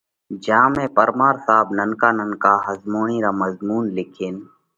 جيا ۾ پرمار صاحب ننڪا ننڪا ۿزموڻِي را مضمُونَ لکينَ